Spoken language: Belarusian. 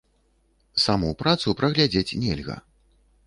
Саму працу праглядзець нельга.